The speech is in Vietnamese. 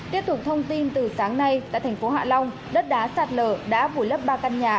tiếp tục thông tin từ sáng nay tại thành phố hạ long đất đá sạt lở đã vùi lấp ba căn nhà